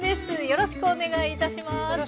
よろしくお願いします。